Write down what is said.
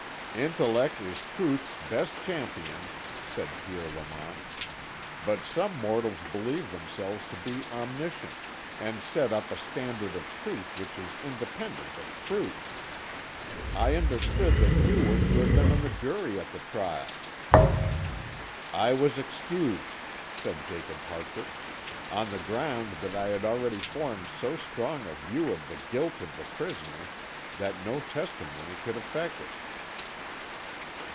"Intellect is truth's best champion," said Pierre Lamont. "But some mortals believe themselves to be omniscient, and set up a standard of truth which is independent of proof. I understood that you were to have been on the jury at the trial." "I was excused," said Jacob Hartrich, "on the ground that I had already formed so strong a view of the guilt of the prisoner that no testimony could affect it."